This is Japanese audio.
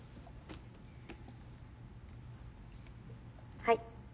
はい。